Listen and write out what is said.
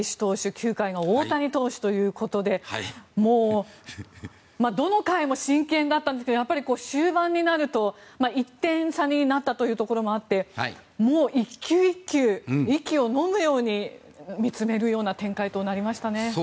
９回が大谷投手ということでどの回も真剣だったんですけど終盤になると１点差になったというところもあって１球１球、息をのむように見つめるような展開となりましたね。